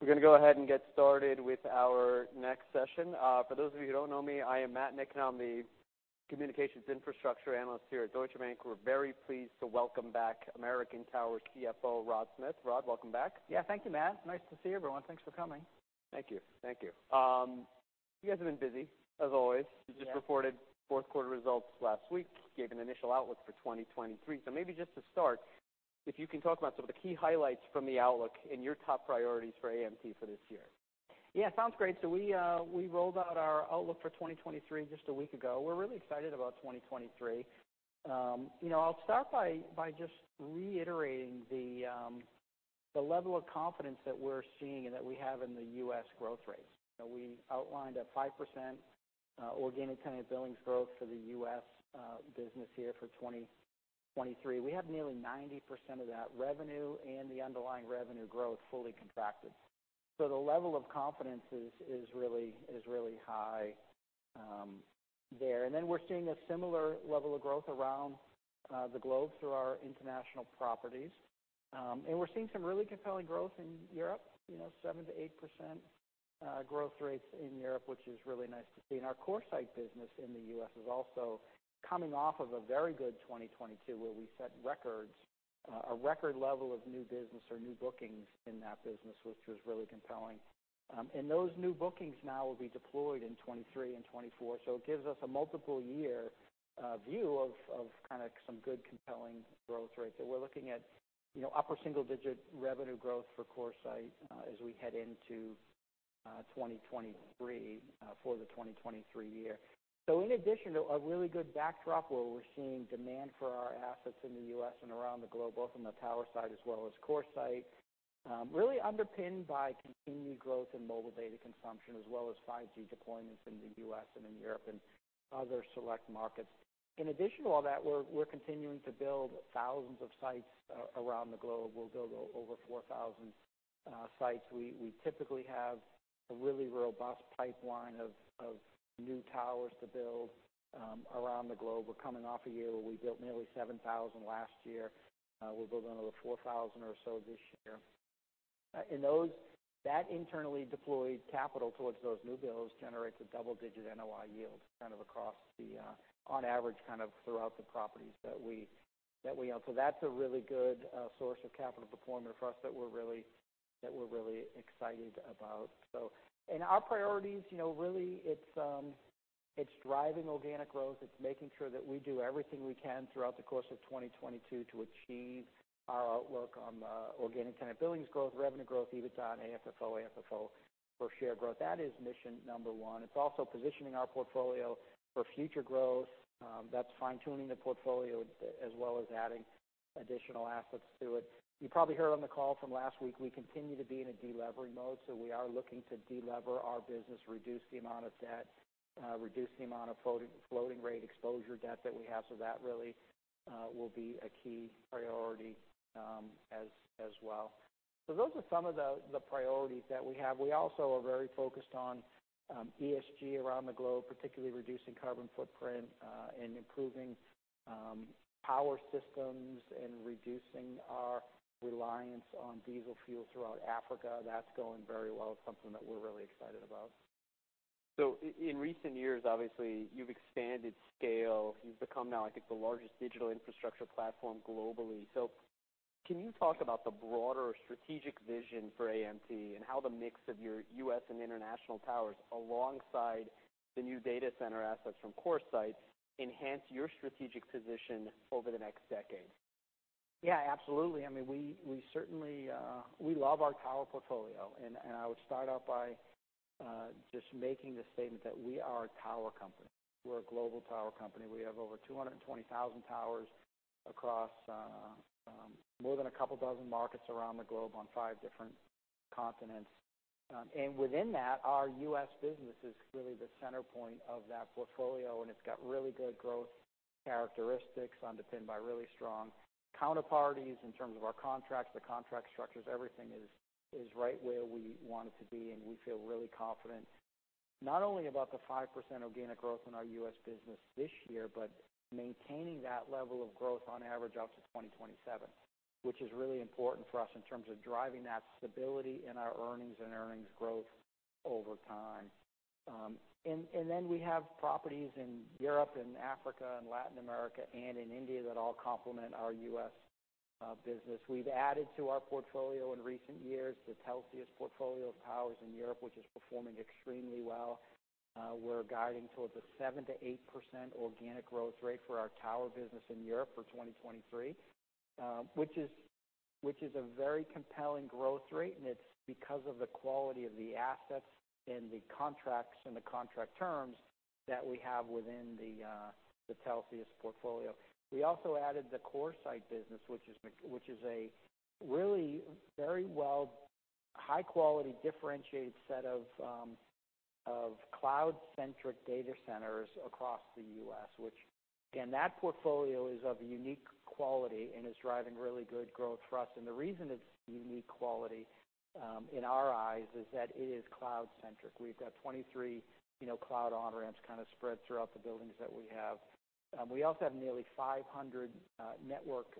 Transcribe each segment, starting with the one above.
All right. We're gonna go ahead and get started with our next session. For those of you who don't know me, I am Matt Niknam, the communications infrastructure analyst here at Deutsche Bank. We're very pleased to welcome back American Tower CFO, Rod Smith. Rod, welcome back. Yeah, thank you, Matt. Nice to see everyone. Thanks for coming. Thank you, thank you. You guys have been busy, as always. Yeah. You just reported fourth quarter results last week, gave an initial outlook for 2023. Maybe just to start, if you can talk about some of the key highlights from the outlook and your top priorities for AMT for this year? Yeah, sounds great. We rolled out our outlook for 2023 just a week ago. We're really excited about 2023. you know, I'll start by just reiterating the level of confidence that we're seeing and that we have in the U.S. growth rates. We outlined a 5% Organic Tenant Billings Growth for the U.S. business here for 2023. We have nearly 90% of that revenue and the underlying revenue growth fully contracted. The level of confidence is really, really high there. Then we're seeing a similar level of growth around the globe through our international properties. We're seeing some really compelling growth in Europe, you know, 7%-8% growth rates in Europe, which is really nice to see. Our CoreSite business in the US is also coming off of a very good 2022, where we set records, a record level of new business or new bookings in that business, which was really compelling. Those new bookings now will be deployed in 2023 and 2024, so it gives us a multiple-year view of kinda some good compelling growth rates. We're looking at, you know, upper single-digit revenue growth for CoreSite, as we head into 2023, for the 2023 year. In addition to a really good backdrop where we're seeing demand for our assets in the US and around the globe, both on the tower side as well as CoreSite, really underpinned by continued growth in mobile data consumption, as well as 5G deployments in the US and in Europe and other select markets. In addition to all that, we're continuing to build thousands of sites around the globe. We'll build over 4,000 sites. We typically have a really robust pipeline of new towers to build around the globe. We're coming off a year where we built nearly 7,000 last year. We're building another 4,000 or so this year. That internally deployed capital towards those new builds generates a double-digit NOI yield, kind of across the on average, kind of throughout the properties that we own. That's a really good source of capital performance for us that we're really excited about. Our priorities, you know, really it's driving organic growth. It's making sure that we do everything we can throughout the course of 2022 to achieve our outlook on Organic Tenant Billings Growth, revenue growth, EBITDA, AFFO per share growth. That is mission number one. It's also positioning our portfolio for future growth. That's fine-tuning the portfolio as well as adding additional assets to it. You probably heard on the call from last week, we continue to be in a de-levering mode, we are looking to de-lever our business, reduce the amount of debt, reduce the amount of floating rate exposure debt that we have. That really will be a key priority, as well. Those are some of the priorities that we have. We also are very focused on ESG around the globe, particularly reducing carbon footprint, and improving power systems and reducing our reliance on diesel fuel throughout Africa. That's going very well. It's something that we're really excited about. In recent years, obviously, you've expanded scale. You've become now, I think, the largest digital infrastructure platform globally. Can you talk about the broader strategic vision for AMT and how the mix of your U.S. and international towers, alongside the new data center assets from CoreSite, enhance your strategic position over the next decade? Yeah, absolutely. I mean, we certainly love our tower portfolio. I would start out by just making the statement that we are a tower company. We're a global tower company. We have over 220,000 towers across more than a couple dozen markets around the globe on five different continents. Within that, our U.S. business is really the center point of that portfolio, and it's got really good growth characteristics underpinned by really strong counterparties in terms of our contracts, the contract structures. Everything is right where we want it to be, and we feel really confident, not only about the 5% organic growth in our U.S. business this year, but maintaining that level of growth on average out to 2027, which is really important for us in terms of driving that stability in our earnings and earnings growth over time. Then we have properties in Europe and Africa and Latin America and in India that all complement our U.S. business. We've added to our portfolio in recent years the Telxius portfolio of towers in Europe, which is performing extremely well. We're guiding towards a 7%-8% organic growth rate for our tower business in Europe for 2023, which is a very compelling growth rate, and it's because of the quality of the assets and the contracts and the contract terms that we have within the Telxius portfolio. We also added the CoreSite business, which is a really very well, high quality, differentiated set of cloud-centric data centers across the U.S., which again, that portfolio is of a unique quality and is driving really good growth for us. And the reason it's unique quality, in our eyes is that it is cloud-centric. We've got 2023, you know, cloud on-ramps kinda spread throughout the buildings that we have. We also have nearly 500 network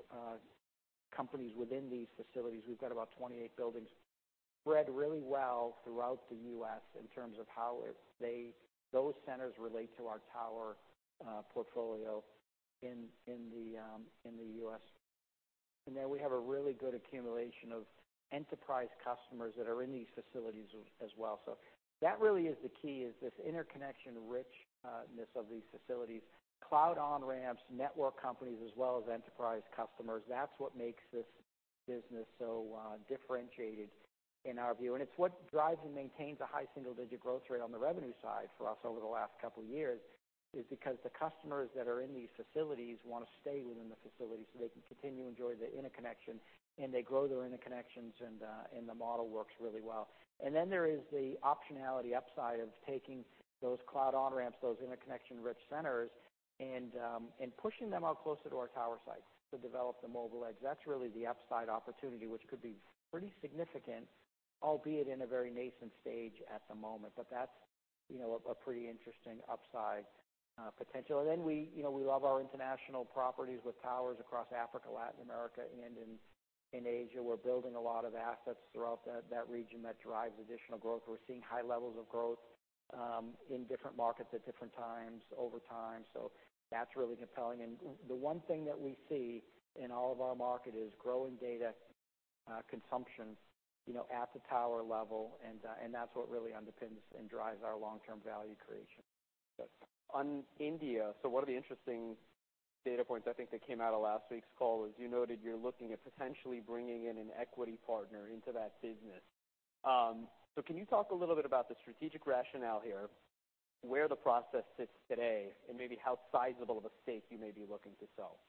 companies within these facilities. We've got about 28 buildings spread really well throughout the U.S. in terms of how those centers relate to our tower portfolio in the U.S. We have a really good accumulation of enterprise customers that are in these facilities as well. That really is the key, is this interconnection richness of these facilities. Cloud on-ramps, network companies, as well as enterprise customers, that's what makes this business so differentiated in our view. It's what drives and maintains a high single-digit growth rate on the revenue side for us over the last couple of years, is because the customers that are in these facilities wanna stay within the facility so they can continue to enjoy the interconnection, and they grow their interconnections, and the model works really well. There is the optionality upside of taking those cloud on-ramps, those interconnection-rich centers, and pushing them out closer to our tower sites to develop the mobile edge. That's really the upside opportunity, which could be pretty significant, albeit in a very nascent stage at the moment. That's, you know, a pretty interesting upside potential. We, you know, we love our international properties with towers across Africa, Latin America, and in Asia. We're building a lot of assets throughout that region that drives additional growth. We're seeing high levels of growth in different markets at different times over time. That's really compelling. The one thing that we see in all of our market is growing data consumption, you know, at the tower level, and that's what really underpins and drives our long-term value creation. On India, one of the interesting data points I think that came out of last week's call is you noted you're looking at potentially bringing in an equity partner into that business. Can you talk a little bit about the strategic rationale here, where the process sits today, and maybe how sizable of a stake you may be looking to sell?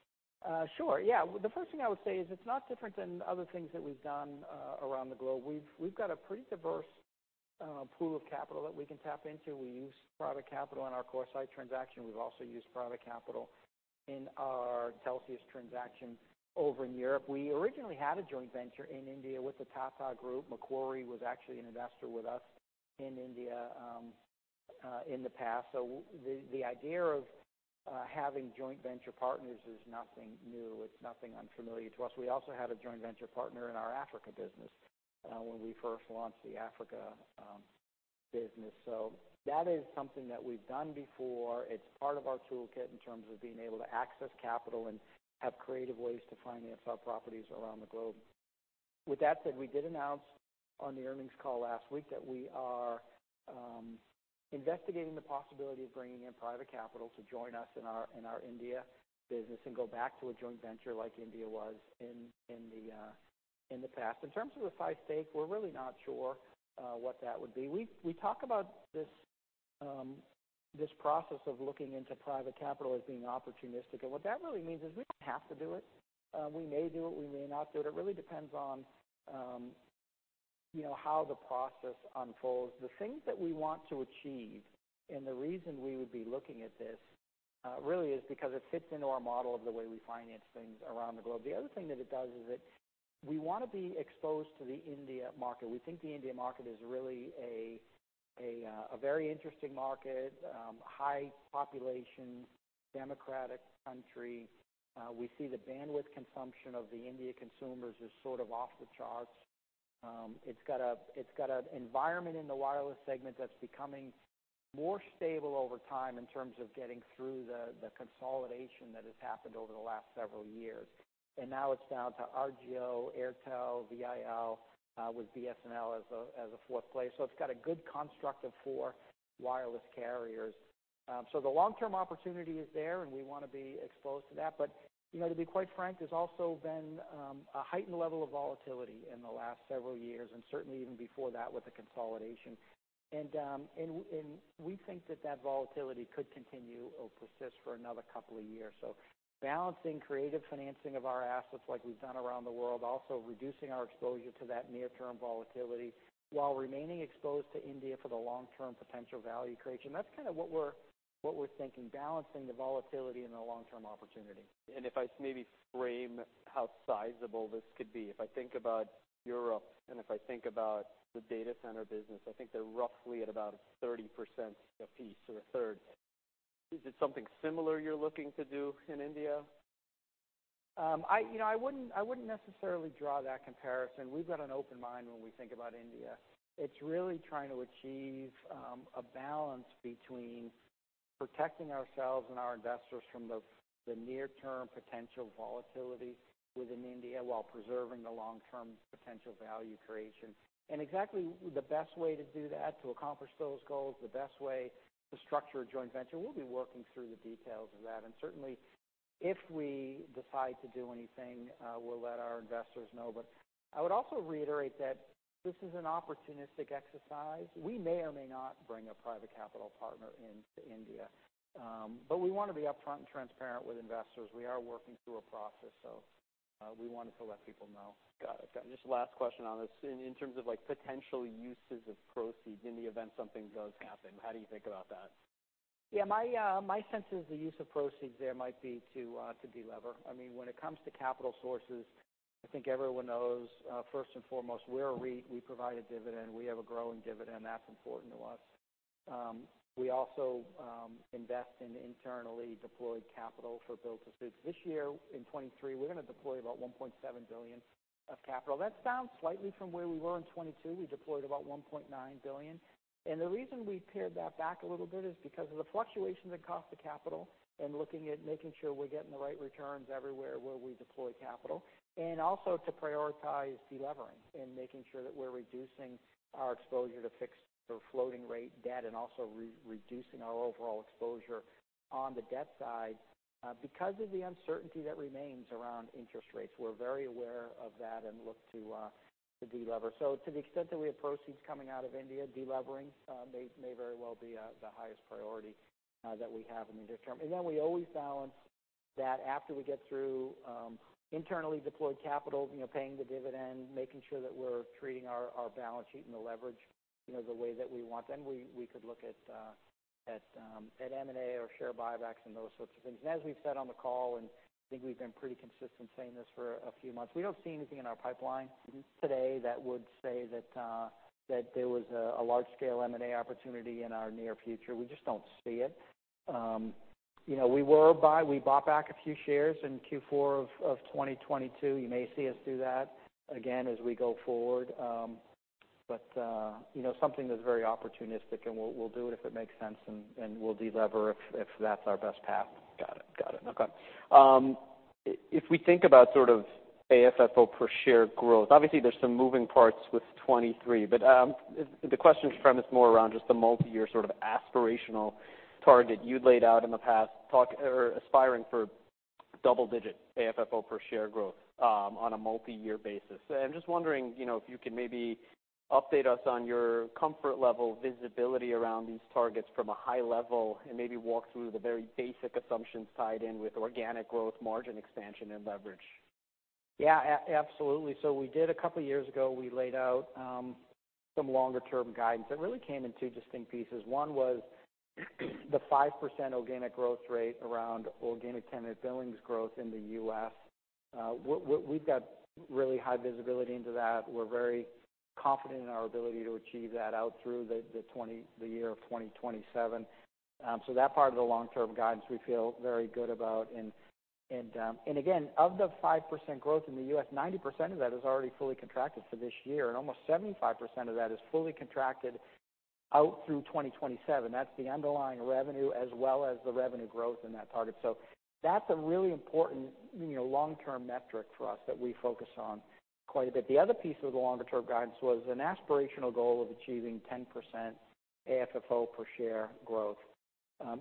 Sure, yeah. The first thing I would say is it's not different than other things that we've done around the globe. We've got a pretty diverse pool of capital that we can tap into. We use private capital in our CoreSite transaction. We've also used private capital in our Telxius transaction over in Europe. We originally had a joint venture in India with the Tata Group. Macquarie was actually an investor with us in India in the past. The idea of having joint venture partners is nothing new. It's nothing unfamiliar to us. We also had a joint venture partner in our Africa business when we first launched the Africa business. That is something that we've done before. It's part of our toolkit in terms of being able to access capital and have creative ways to finance our properties around the globe. With that said, we did announce on the earnings call last week that we are investigating the possibility of bringing in private capital to join us in our India business and go back to a joint venture like India was in the past. In terms of the size stake, we're really not sure what that would be. We talk about this process of looking into private capital as being opportunistic. What that really means is we don't have to do it. We may do it, we may not do it. It really depends on, you know, how the process unfolds. The things that we want to achieve and the reason we would be looking at this really is because it fits into our model of the way we finance things around the globe. The other thing that it does is that we wanna be exposed to the India market. We think the India market is really a very interesting market, high population, democratic country. We see the bandwidth consumption of the India consumers is sort of off the charts. It's got an environment in the wireless segment that's becoming more stable over time in terms of getting through the consolidation that has happened over the last several years. Now it's down to Jio, Airtel, VIL with BSNL as a fourth player. It's got a good construct of four wireless carriers. The long-term opportunity is there, and we wanna be exposed to that. You know, to be quite frank, there's also been a heightened level of volatility in the last several years and certainly even before that with the consolidation. We think that that volatility could continue or persist for another couple of years. Balancing creative financing of our assets like we've done around the world, also reducing our exposure to that near-term volatility while remaining exposed to India for the long-term potential value creation, that's kinda what we're thinking, balancing the volatility and the long-term opportunity. If I maybe frame how sizable this could be, if I think about Europe and if I think about the data center business, I think they're roughly at about 30% a piece or a third. Is it something similar you're looking to do in India? I, you know, I wouldn't, I wouldn't necessarily draw that comparison. We've got an open mind when we think about India. It's really trying to achieve a balance between protecting ourselves and our investors from the near-term potential volatility within India while preserving the long-term potential value creation. Exactly the best way to do that, to accomplish those goals, the best way to structure a joint venture, we'll be working through the details of that. Certainly, if we decide to do anything, we'll let our investors know. I would also reiterate that this is an opportunistic exercise. We may or may not bring a private capital partner into India. We wanna be upfront and transparent with investors. We are working through a process, so we wanted to let people know. Got it. Just last question on this. In terms of like potential uses of proceeds in the event something does happen, how do you think about that? Yeah, my sense is the use of proceeds there might be to delever. I mean, when it comes to capital sources, I think everyone knows, first and foremost, we're a REIT, we provide a dividend, we have a growing dividend. That's important to us. We also invest in internally deployed capital for build to suit. This year in 2023, we're gonna deploy about $1.7 billion of capital. That's down slightly from where we were in 2022. We deployed about $1.9 billion. The reason we've pared that back a little bit is because of the fluctuations in cost of capital and looking at making sure we're getting the right returns everywhere where we deploy capital, and also to prioritize delevering and making sure that we're reducing our exposure to fixed or floating rate debt and also re-reducing our overall exposure on the debt side, because of the uncertainty that remains around interest rates. We're very aware of that and look to to delever. To the extent that we have proceeds coming out of India, delevering, may very well be the highest priority that we have in the near term. Then we always balance that after we get through, internally deployed capital, you know, paying the dividend, making sure that we're treating our balance sheet and the leverage, you know, the way that we want, then we could look at M&A or share buybacks and those sorts of things. As we've said on the call, and I think we've been pretty consistent saying this for a few months, we don't see anything in our pipeline today that would say that there was a large scale M&A opportunity in our near future. We just don't see it. You know, We bought back a few shares in Q4 of 2022. You may see us do that again as we go forward. You know, something that's very opportunistic, and we'll do it if it makes sense and we'll delever if that's our best path. Got it. Got it. Okay. If we think about sort of AFFO per share growth, obviously there's some moving parts with 2023, but, the question premise more around just the multiyear sort of aspirational target you'd laid out in the past, talk or aspiring for double-digit AFFO per share growth, on a multi-year basis. I'm just wondering, you know, if you can maybe update us on your comfort level visibility around these targets from a high level and maybe walk through the very basic assumptions tied in with organic growth, margin expansion and leverage. Yeah, absolutely. We did a couple of years ago, we laid out some longer-term guidance that really came in two distinct pieces. One was the 5% Organic Tenant Billings Growth rate around Organic Tenant Billings Growth in the U.S. What we've got really high visibility into that. We're very confident in our ability to achieve that out through the year of 2027. That part of the long-term guidance we feel very good about. And again, of the 5% growth in the U.S., 90% of that is already fully contracted for this year, and almost 75% of that is fully contracted out through 2027. That's the underlying revenue as well as the revenue growth in that target. That's a really important, you know, long-term metric for us that we focus on quite a bit. The other piece of the longer-term guidance was an aspirational goal of achieving 10% AFFO per share growth.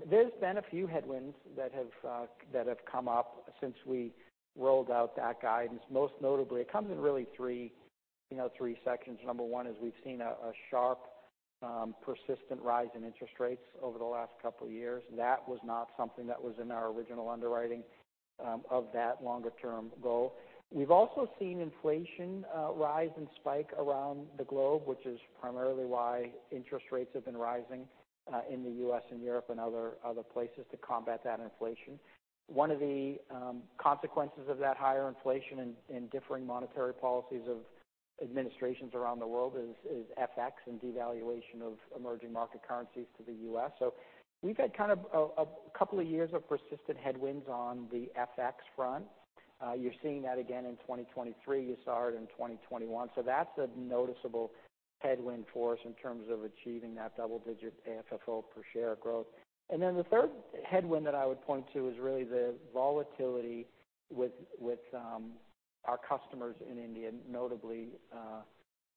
There's been a few headwinds that have come up since we rolled out that guidance, most notably, it comes in really three, you know, three sections. Number one is we've seen a sharp, persistent rise in interest rates over the last couple of years. That was not something that was in our original underwriting of that longer-term goal. We've also seen inflation rise and spike around the globe, which is primarily why interest rates have been rising in the US and Europe and other places to combat that inflation. One of the consequences of that higher inflation and differing monetary policies of administrations around the world is FX and devaluation of emerging market currencies to the US. We've had kind of a couple of years of persistent headwinds on the FX front. You're seeing that again in 2023. You saw it in 2021. That's a noticeable headwind for us in terms of achieving that double-digit AFFO per share growth. The third headwind that I would point to is really the volatility with our customers in India, notably,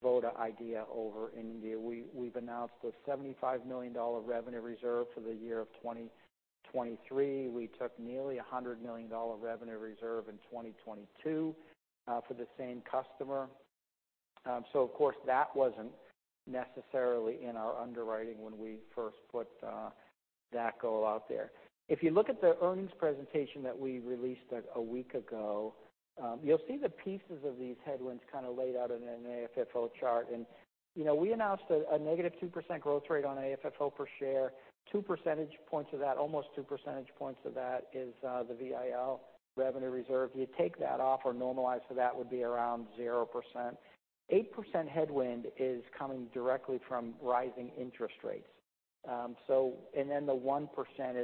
Vodafone Idea over India. We've announced a $75 million revenue reserve for the year of 2023. We took nearly a $100 million revenue reserve in 2022 for the same customer. Of course, that wasn't necessarily in our underwriting when we first put that goal out there. If you look at the earnings presentation that we released a week ago, you'll see the pieces of these headwinds kind of laid out in an AFFO chart. You know, we announced a negative 2% growth rate on AFFO per share. 2 percentage points of that, almost two percentage points of that is the VIL revenue reserve. You take that off or normalize, so that would be around 0%. 8% headwind is coming directly from rising interest rates. The 1%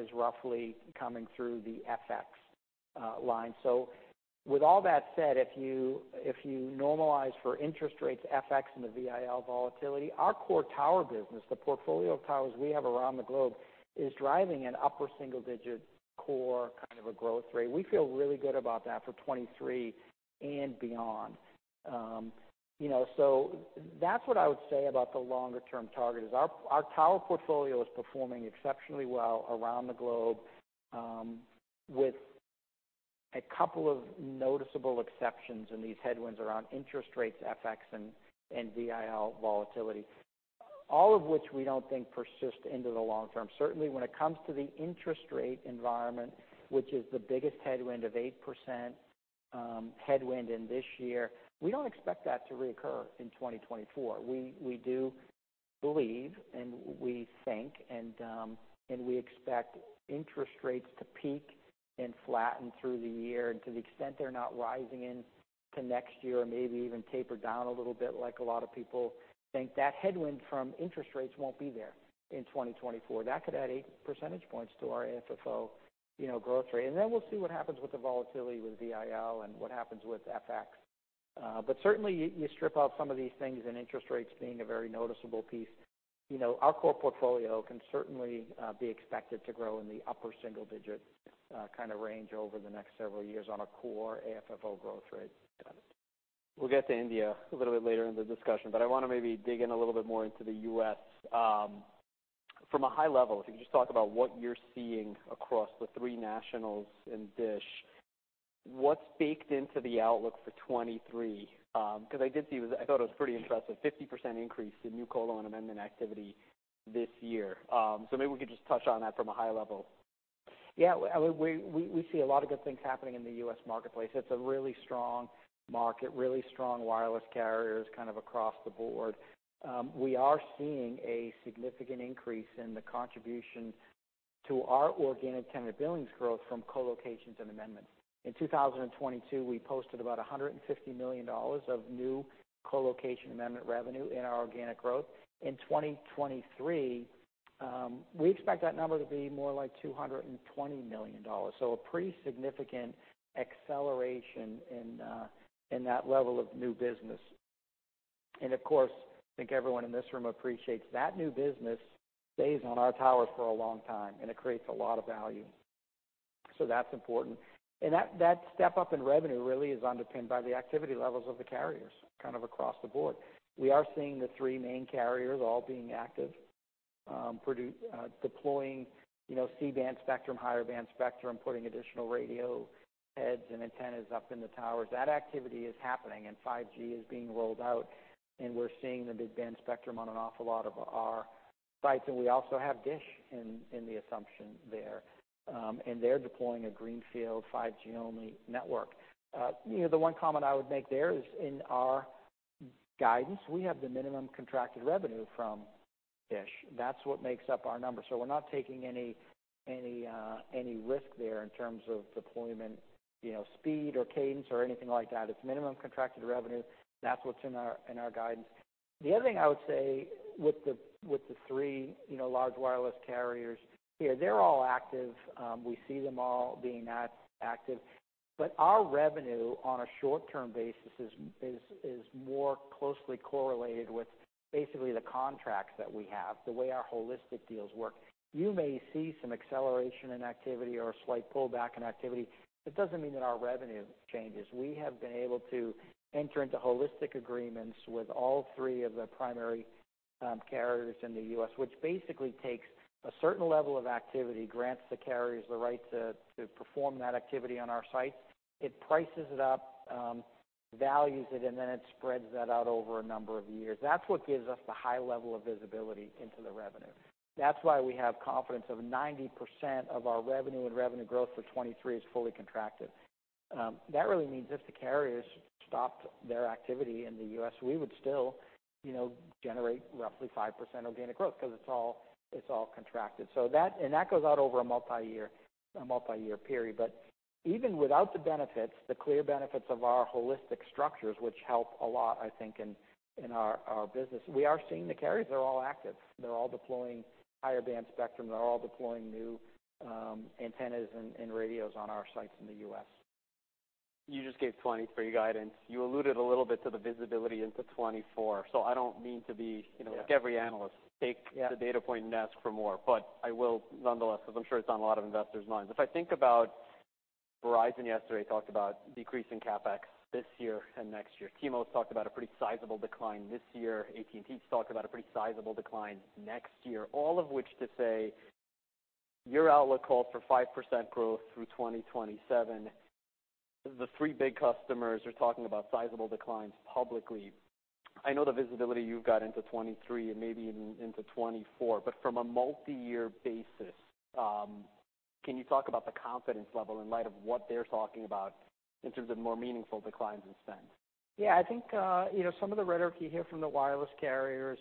is roughly coming through the FX line. With all that said, if you normalize for interest rates, FX, and the VIL volatility, our core tower business, the portfolio of towers we have around the globe, is driving an upper single-digit core kind of a growth rate. We feel really good about that for 2023 and beyond. You know, that's what I would say about the longer term target, is our tower portfolio is performing exceptionally well around the globe, with a couple of noticeable exceptions in these headwinds around interest rates, FX, and VIL volatility, all of which we don't think persist into the long term. Certainly, when it comes to the interest rate environment, which is the biggest headwind of 8% headwind in this year, we don't expect that to reoccur in 2024. We do believe, and we think, and we expect interest rates to peak and flatten through the year. To the extent they're not rising into next year, maybe even taper down a little bit like a lot of people think. That headwind from interest rates won't be there in 2024. That could add eight percentage points to our AFFO, you know, growth rate. We'll see what happens with the volatility with VIL and what happens with FX. Certainly, you strip out some of these things, and interest rates being a very noticeable piece. You know, our core portfolio can certainly be expected to grow in the upper single digits kind of range over the next several years on a core AFFO growth rate. We'll get to India a little bit later in the discussion, but I wanna maybe dig in a little bit more into the US. From a high level, if you could just talk about what you're seeing across the three nationals in Dish. What's baked into the outlook for 2023? 'Cause I did see, I thought it was pretty impressive, 50% increase in new colocation and amendment activity this year. Maybe we could just touch on that from a high level. Yeah. We see a lot of good things happening in the U.S. marketplace. It's a really strong market, really strong wireless carriers kind of across the board. We are seeing a significant increase in the contribution to our Organic Tenant Billings Growth from colocations and amendments. In 2022, we posted about $150 million of new colocation amendment revenue in our organic growth. In 2023, we expect that number to be more like $220 million. A pretty significant acceleration in that level of new business. Of course, I think everyone in this room appreciates that new business stays on our towers for a long time, and it creates a lot of value. That's important. That step-up in revenue really is underpinned by the activity levels of the carriers kind of across the board. We are seeing the three main carriers all being active, deploying, you know, C-band spectrum, higher band spectrum, putting additional radio heads and antennas up in the towers. That activity is happening. 5G is being rolled out, and we're seeing the mid-band spectrum on an awful lot of our sites. We also have Dish in the assumption there, and they're deploying a greenfield 5G-only network. You know, the one comment I would make there is in our guidance, we have the minimum contracted revenue from Dish. That's what makes up our numbers. We're not taking any risk there in terms of deployment, you know, speed or cadence or anything like that. It's minimum contracted revenue. That's what's in our, in our guidance. The other thing I would say with the, with the three, you know, large wireless carriers here, they're all active. We see them all being active. Our revenue on a short-term basis is more closely correlated with basically the contracts that we have, the way our holistic deals work. You may see some acceleration in activity or a slight pullback in activity. It doesn't mean that our revenue changes. We have been able to enter into holistic agreements with all three of the primary carriers in the U.S., which basically takes a certain level of activity, grants the carriers the right to perform that activity on our sites. It prices it up, values it, and then it spreads that out over a number of years. That's what gives us the high level of visibility into the revenue. That's why we have confidence of 90% of our revenue and revenue growth for 2023 is fully contracted. That really means if the carriers stopped their activity in the U.S., we would still, you know, generate roughly 5% organic growth because it's all contracted. That goes out over a multi-year period. Even without the benefits, the clear benefits of our holistic structures, which help a lot, I think, in our business, we are seeing the carriers are all active. They're all deploying higher band spectrum. They're all deploying new antennas and radios on our sites in the U.S. You just gave 2023 guidance. You alluded a little bit to the visibility into 2024. I don't mean to be, you know- Yeah. like every analyst. Yeah. The data point and ask for more, but I will nonetheless, because I'm sure it's on a lot of investors' minds. If I think about Verizon yesterday talked about decreasing CapEx this year and next year. T-Mobile's talked about a pretty sizable decline this year. AT&T's talked about a pretty sizable decline next year. All of which to say, your outlook calls for 5% growth through 2027. The three big customers are talking about sizable declines publicly. I know the visibility you've got into 2023 and maybe even into 2024, but from a multi-year basis, can you talk about the confidence level in light of what they're talking about in terms of more meaningful declines in spend? Yeah. I think, you know, some of the rhetoric you hear from the wireless carriers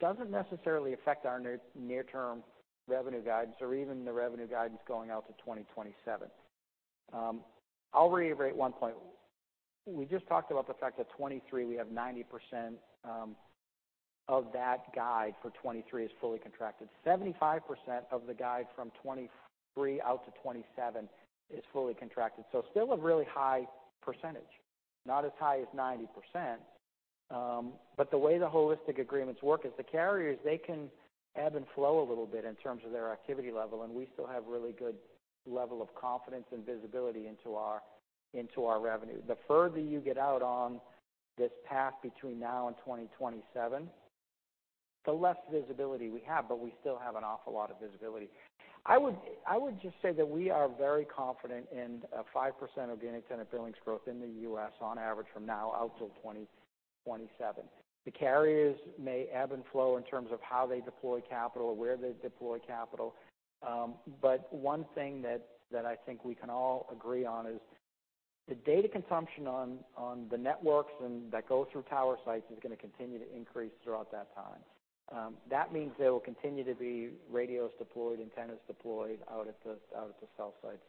doesn't necessarily affect our near-term revenue guidance or even the revenue guidance going out to 2027. I'll reiterate one point. We just talked about the fact that 2023, we have 90% of that guide for 2023 is fully contracted. 75% of the guide from 2023 out to 2027 is fully contracted, so still a really high percentage, not as high as 90%. The way the holistic agreements work is the carriers, they can ebb and flow a little bit in terms of their activity level, and we still have really good level of confidence and visibility into our revenue. The further you get out on this path between now and 2027, the less visibility we have, but we still have an awful lot of visibility. I would just say that we are very confident in a 5% Organic Tenant Billings Growth in the U.S. on average from now out till 2027. The carriers may ebb and flow in terms of how they deploy capital or where they deploy capital. One thing that I think we can all agree on is the data consumption on the networks and that go through tower sites is gonna continue to increase throughout that time. That means there will continue to be radios deployed, antennas deployed out at the cell sites.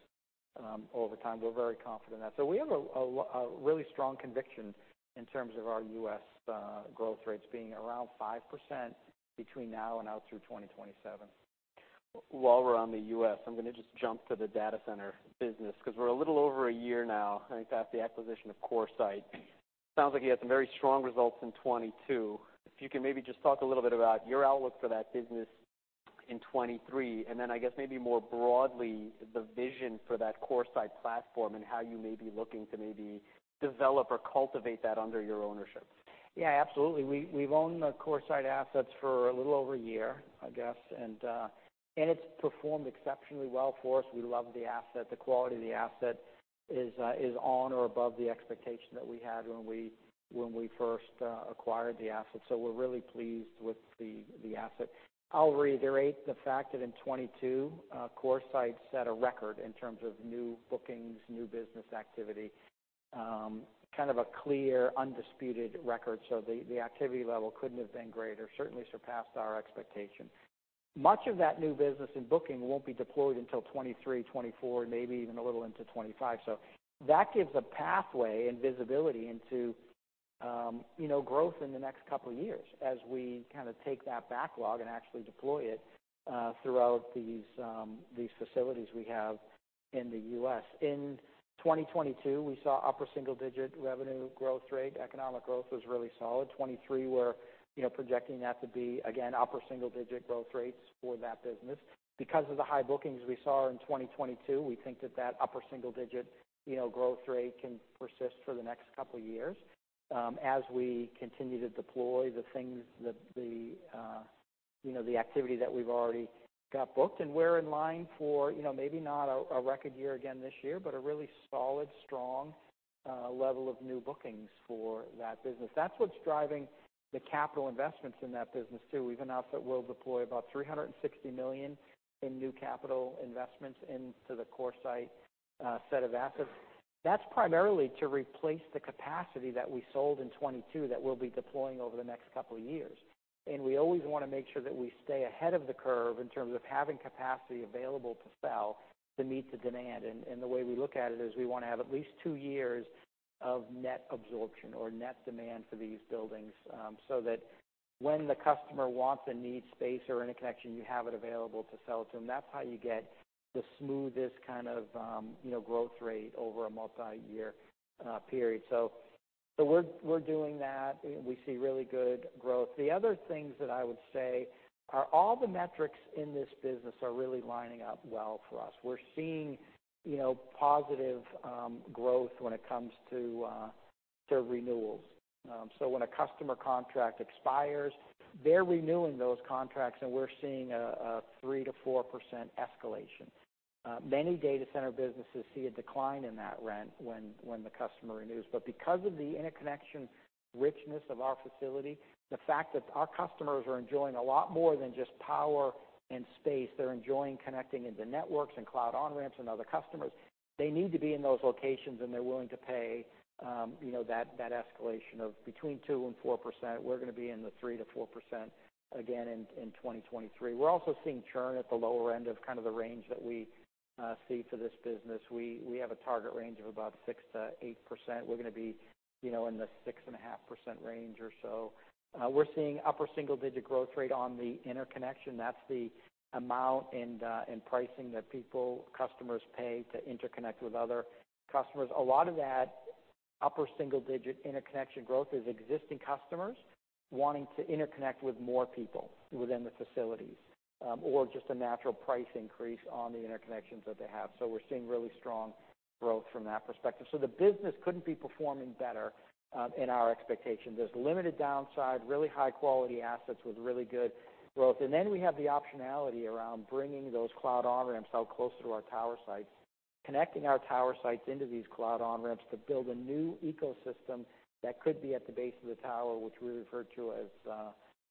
Over time, we're very confident in that. We have a really strong conviction in terms of our US growth rates being around 5% between now and out through 2027. While we're on the U.S., I'm gonna just jump to the data center business, 'cause we're a little over a year now, I think that's the acquisition of CoreSite. Sounds like you had some very strong results in 2022. If you can maybe just talk a little bit about your outlook for that business in 2023, I guess maybe more broadly, the vision for that CoreSite platform and how you may be looking to maybe develop or cultivate that under your ownership? Yeah, absolutely. We've owned the CoreSite assets for a little over a year, I guess. It's performed exceptionally well for us. We love the asset. The quality of the asset is on or above the expectation that we had when we first acquired the asset. We're really pleased with the asset. I'll reiterate the fact that in 2022, CoreSite set a record in terms of new bookings, new business activity, kind of a clear, undisputed record. The activity level couldn't have been greater, certainly surpassed our expectation. Much of that new business in booking won't be deployed until 2023, 2024, maybe even a little into 2025. That gives a pathway and visibility into, you know, growth in the next couple of years as we kind of take that backlog and actually deploy it throughout these facilities we have in the U.S. In 2022, we saw upper single-digit revenue growth rate. Economic growth was really solid. 2023, we're projecting that to be, again, upper single digit growth rates for that business. Because of the high bookings we saw in 2022, we think that that upper single digit growth rate can persist for the next couple of years as we continue to deploy the things that the activity that we've already got booked. We're in line for maybe not a record year again this year, but a really solid, strong level of new bookings for that business. That's what's driving the capital investments in that business too. We've announced that we'll deploy about $360 million in new capital investments into the CoreSite set of assets. That's primarily to replace the capacity that we sold in 2022 that we'll be deploying over the next couple of years. We always wanna make sure that we stay ahead of the curve in terms of having capacity available to sell to meet the demand. The way we look at it is we wanna have at least two years of net absorption or net demand for these buildings, so that when the customer wants and needs space or interconnection, you have it available to sell to them. That's how you get the smoothest kind of, you know, growth rate over a multiyear period. We're doing that. We see really good growth. The other things that I would say are all the metrics in this business are really lining up well for us. We're seeing, you know, positive growth when it comes to renewals. When a customer contract expires, they're renewing those contracts, and we're seeing a 3%-4% escalation. Many data center businesses see a decline in that rent when the customer renews. Because of the interconnection richness of our facility, the fact that our customers are enjoying a lot more than just power and space, they're enjoying connecting into networks and cloud on-ramps and other customers, they need to be in those locations, and they're willing to pay, you know, that escalation of between 2% and 4%. We're gonna be in the 3%-4% again in 2023. We're also seeing churn at the lower end of kind of the range that we see for this business. We have a target range of about 6%-8%. We're gonna be, you know, in the 6.5% range or so. We're seeing upper single-digit growth rate on the interconnection. That's the amount and pricing that people, customers pay to interconnect with other customers. A lot of that upper single-digit interconnection growth is existing customers wanting to interconnect with more people within the facilities, or just a natural price increase on the interconnections that they have. We're seeing really strong growth from that perspective. The business couldn't be performing better in our expectations. There's limited downside, really high-quality assets with really good growth. We have the optionality around bringing those cloud on-ramps out close to our tower sites, connecting our tower sites into these cloud on-ramps to build a new ecosystem that could be at the base of the tower, which we refer to as,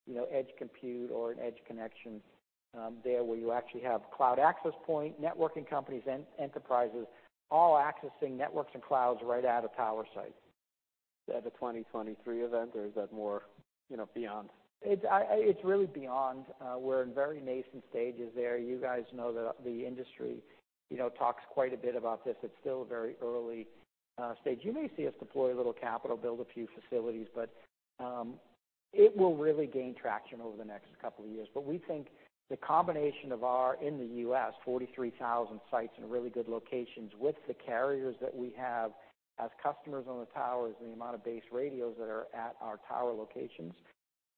you know, edge compute or an edge connection, there, where you actually have cloud access point, networking companies, and enterprises all accessing networks and clouds right out of tower sites. Is that a 2023 event, or is that more, you know, beyond? It's really beyond. We're in very nascent stages there. You guys know the industry, you know, talks quite a bit about this. It's still a very early stage. You may see us deploy a little capital, build a few facilities, but it will really gain traction over the next couple of years. We think the combination of our, in the U.S., 43,000 sites in really good locations with the carriers that we have as customers on the towers and the amount of base radios that are at our tower locations,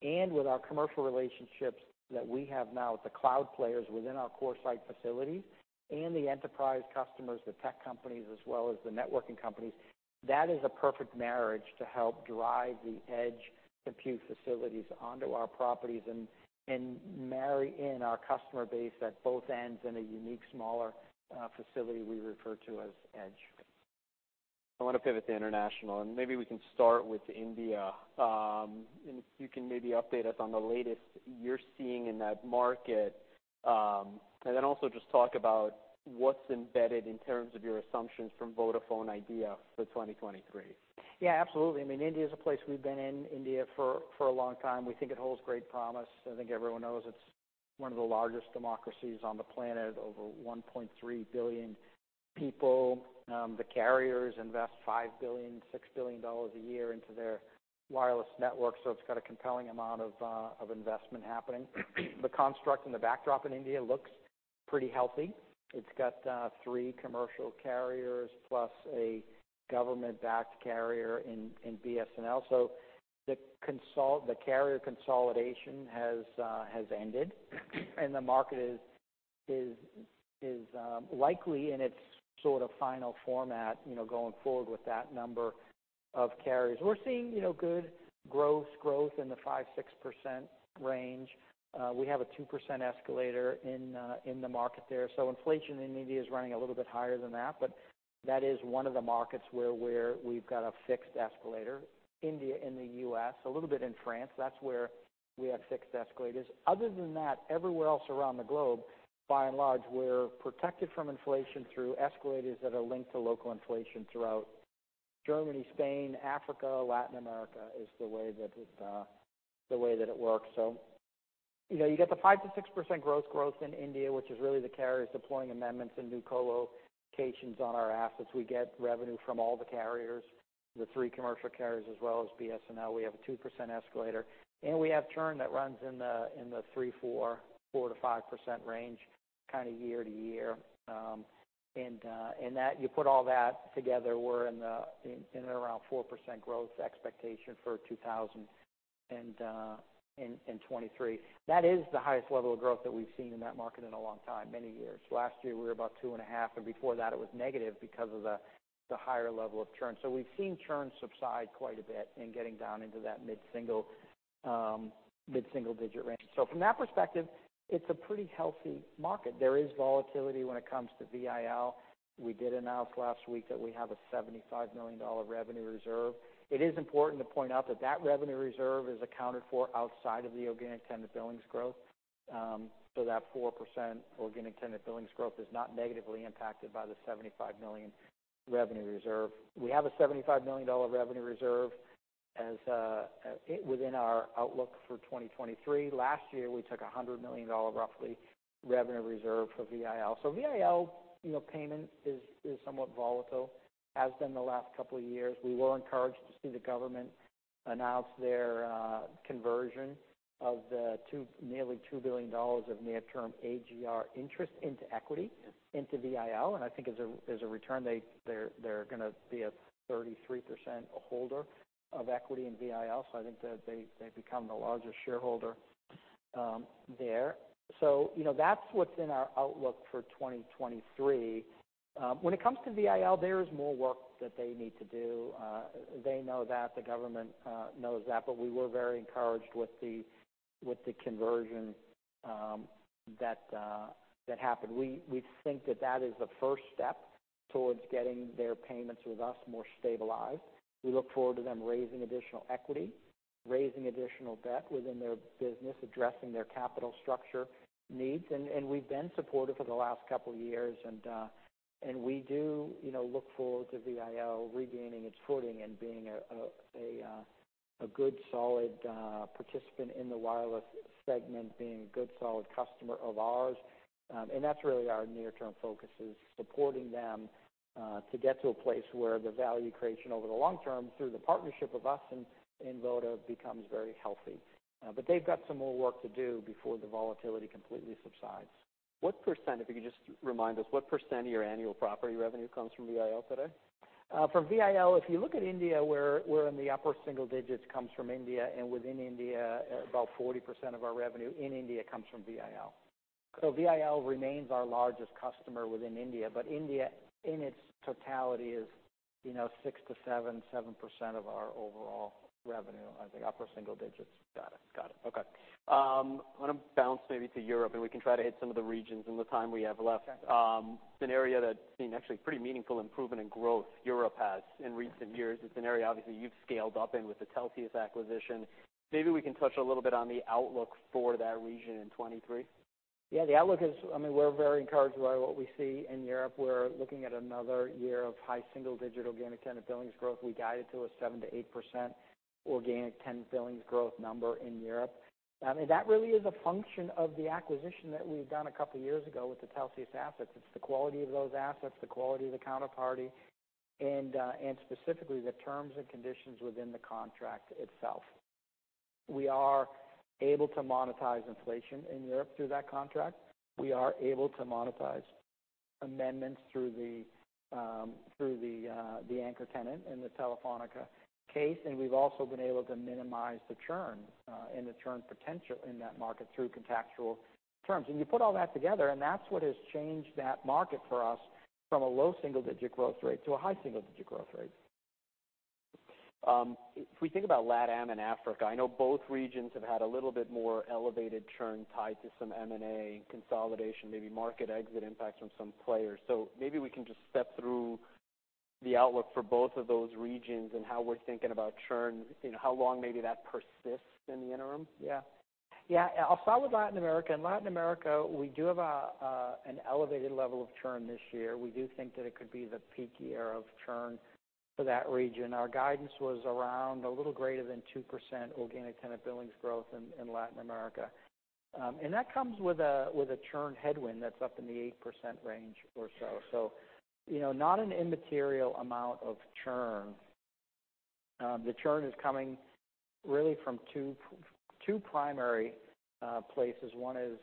and with our commercial relationships that we have now with the cloud players within our CoreSite facilities and the enterprise customers, the tech companies, as well as the networking companies, that is a perfect marriage to help drive the edge compute facilities onto our properties and marry in our customer base at both ends in a unique, smaller, facility we refer to as edge. I wanna pivot to international. Maybe we can start with India. If you can maybe update us on the latest you're seeing in that market. Also just talk about what's embedded in terms of your assumptions from Vodafone Idea for 2023. Yeah, absolutely. I mean, India is a place we've been in India for a long time. We think it holds great promise. I think everyone knows it's one of the largest democracies on the planet, over 1.3 billion people. The carriers invest $5 billion-$6 billion a year into their wireless network, so it's got a compelling amount of investment happening. The construct and the backdrop in India looks pretty healthy. It's got 3 commercial carriers plus a government-backed carrier in BSNL. The carrier consolidation has ended, and the market is likely in its sort of final format, you know, going forward with that number of carriers. We're seeing, you know, good gross growth in the 5%-6% range. We have a 2% escalator in the market there. Inflation in India is running a little bit higher than that, but that is one of the markets where we've got a fixed escalator. India and the U.S., a little bit in France, that's where we have fixed escalators. Other than that, everywhere else around the globe, by and large, we're protected from inflation through escalators that are linked to local inflation throughout Germany, Spain, Africa, Latin America, is the way that it works. You know, you get the 5%-6% gross growth in India, which is really the carriers deploying amendments and new colocations on our assets. We get revenue from all the carriers, the three commercial carriers as well as BSNL. We have a 2% escalator. We have churn that runs in the 3, 4%-5% range kinda year-to-year. You put all that together, we're in and around 4% growth expectation for 2023. That is the highest level of growth that we've seen in that market in a long time, many years. Last year, we were about 2.5%, and before that, it was negative because of the higher level of churn. We've seen churn subside quite a bit in getting down into that mid-single digit range. From that perspective, it's a pretty healthy market. There is volatility when it comes to VIL. We did announce last week that we have a $75 million revenue reserve. It is important to point out that that revenue reserve is accounted for outside of the Organic Tenant Billings Growth. That 4% organic tenant billings growth is not negatively impacted by the $75 million revenue reserve. We have a $75 million revenue reserve as it was in our outlook for 2023. Last year, we took a $100 million, roughly, revenue reserve for VIL. VIL, you know, payment is somewhat volatile, has been the last couple of years. We were encouraged to see the government announce their conversion of the 2, nearly $2 billion of near-term AGR interest into equity... Yes... into VIL. I think as a return, they're gonna be a 33% holder of equity in VIL. I think that they become the largest shareholder there. You know, that's what's in our outlook for 2023. When it comes to VIL, there is more work that they need to do. They know that, the government knows that, but we were very encouraged with the conversion that happened. We think that that is the first step towards getting their payments with us more stabilized. We look forward to them raising additional equity, raising additional debt within their business, addressing their capital structure needs. And we've been supportive for the last couple years and we do, you know, look forward to VIL regaining its footing and being a good solid participant in the wireless segment, being a good solid customer of ours. That's really our near-term focus, is supporting them to get to a place where the value creation over the long term through the partnership of us and Vodafone becomes very healthy. They've got some more work to do before the volatility completely subsides. What %, if you could just remind us, what % of your annual property revenue comes from VIL today? From VIL, if you look at India, we're in the upper single digits comes from India, and within India, about 40% of our revenue in India comes from VIL. VIL remains our largest customer within India, but India in its totality is, you know, 6%-7% of our overall revenue. I think upper single digits. Got it. Got it. Okay. I wanna bounce maybe to Europe, and we can try to hit some of the regions in the time we have left. Okay. It's an area that's seen actually pretty meaningful improvement in growth Europe has in recent years. It's an area obviously you've scaled up in with the Telxius acquisition. Maybe we can touch a little bit on the outlook for that region in 2023. Yeah, the outlook. I mean, we're very encouraged by what we see in Europe. We're looking at another year of high single-digit Organic Tenant Billings Growth. We guided to a 7%-8% Organic Tenant Billings Growth number in Europe. I mean, that really is a function of the acquisition that we've done a couple of years ago with the Telxius assets. It's the quality of those assets, the quality of the counterparty, and specifically the terms and conditions within the contract itself. We are able to monetize inflation in Europe through that contract. We are able to monetize amendments through the through the anchor tenant in the Telefónica case. We've also been able to minimize the churn and the churn potential in that market through contractual terms. You put all that together, and that's what has changed that market for us from a low single-digit growth rate to a high single-digit growth rate. If we think about LATAM and Africa, I know both regions have had a little bit more elevated churn tied to some M&A consolidation, maybe market exit impact from some players. Maybe we can just step through the outlook for both of those regions and how we're thinking about churn, you know, how long maybe that persists in the interim? Yeah. Yeah, I'll start with Latin America. In Latin America, we do have an elevated level of churn this year. We do think that it could be the peak year of churn. For that region, our guidance was around a little greater than 2% Organic Tenant Billings Growth in Latin America. And that comes with a churn headwind that's up in the 8% range or so. You know, not an immaterial amount of churn. The churn is coming really from two primary places. One is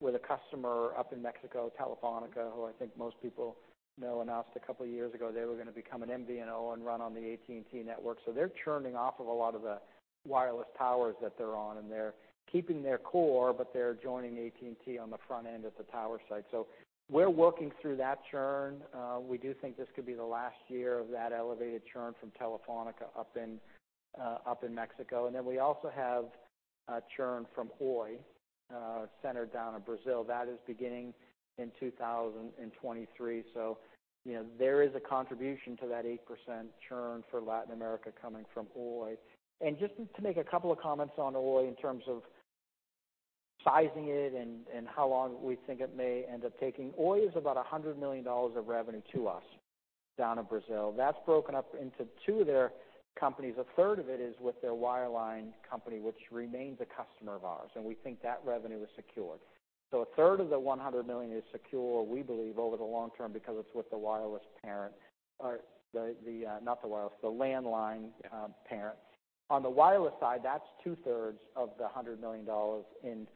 with a customer up in Mexico, Telefónica, who I think most people know announced a couple years ago they were gonna become an MVNO and run on the AT&T network. They're churning off of a lot of the wireless towers that they're on, and they're keeping their core, but they're joining AT&T on the front end at the tower site. We're working through that churn. We do think this could be the last year of that elevated churn from Telefónica up in Mexico. We also have a churn from Oi, centered down in Brazil. That is beginning in 2023. You know, there is a contribution to that 8% churn for Latin America coming from Oi. Just to make a couple of comments on Oi in terms of sizing it and how long we think it may end up taking. Oi is about $100 million of revenue to us down in Brazil. That's broken up into two of their companies. A third of it is with their wireline company, which remains a customer of ours. We think that revenue is secured. A third of the $100 million is secure, we believe, over the long term because it's with the wireless parent or the landline parent. On the wireless side, that's two-thirds of the $100 million in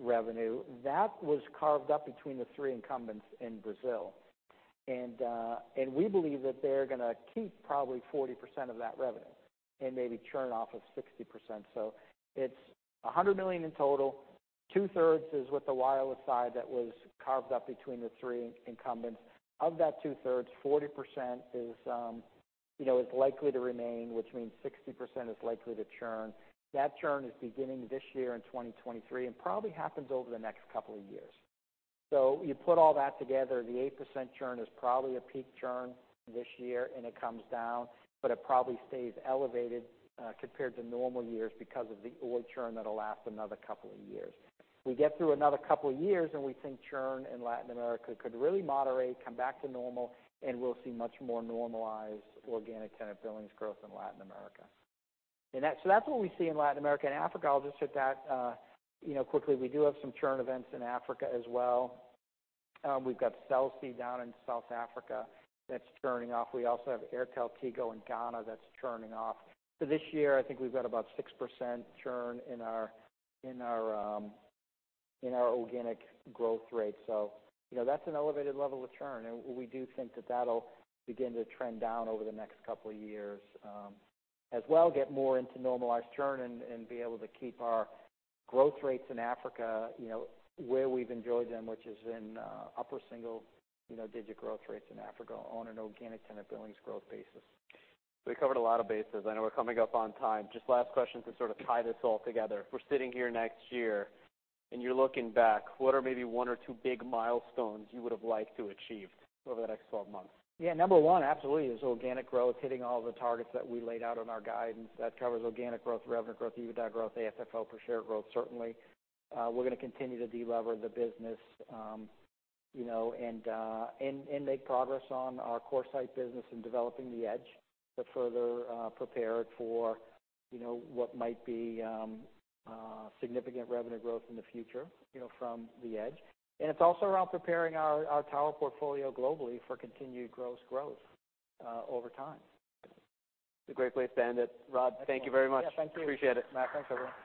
revenue. That was carved up between the three incumbents in Brazil. We believe that they're gonna keep probably 40% of that revenue and maybe churn off of 60%. It's $100 million in total. Two-thirds is with the wireless side that was carved up between the three incumbents. Of that two-thirds, 40% is, you know, is likely to remain, which means 60% is likely to churn. That churn is beginning this year in 2023 and probably happens over the next couple of years. You put all that together, the 8% churn is probably a peak churn this year and it comes down, but it probably stays elevated, compared to normal years because of the Oi churn that'll last another couple of years. We get through another couple of years, and we think churn in Latin America could really moderate, come back to normal, and we'll see much more normalized Organic Tenant Billings Growth in Latin America. That's what we see in Latin America. In Africa, I'll just hit that, you know, quickly. We do have some churn events in Africa as well. We've got Cell C down in South Africa that's churning off. We also have AirtelTigo in Ghana that's churning off. This year, I think we've got about 6% churn in our organic growth rate. You know, that's an elevated level of churn, and we do think that that'll begin to trend down over the next couple of years, as well get more into normalized churn and be able to keep our growth rates in Africa, you know, where we've enjoyed them, which is in upper single, you know, digit growth rates in Africa on an Organic Tenant Billings Growth basis. We covered a lot of bases. I know we're coming up on time. Just last question to sort of tie this all together. If we're sitting here next year and you're looking back, what are maybe one or two big milestones you would have liked to achieve over the next 12 months? Yeah. Number one absolutely is organic growth, hitting all the targets that we laid out in our guidance. That covers organic growth, revenue growth, EBITDA growth, AFFO per share growth, certainly. We're gonna continue to de-lever the business, you know, and make progress on our CoreSite business and developing the edge to further prepare it for, you know, what might be significant revenue growth in the future, you know, from the edge. It's also around preparing our tower portfolio globally for continued gross growth over time. It's a great place to end it. Rod, thank you very much. Yeah, thank you. Appreciate it. Matt. Thanks, everyone.